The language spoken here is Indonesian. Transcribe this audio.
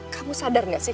kamu sadar gak sih